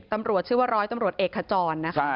ตำรวจชื่อว่าร้อยตำรวจเอกขจรนะคะ